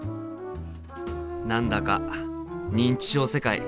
何だか認知症世界